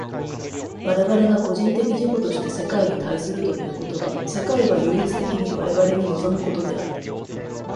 我々が個人的自己として世界に対するということは、世界が唯一的に我々に臨むことである。